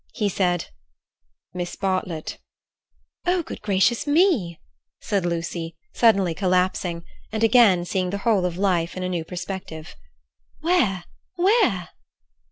He said: "Miss Bartlett." "Oh, good gracious me!" said Lucy, suddenly collapsing and again seeing the whole of life in a new perspective. "Where? Where?"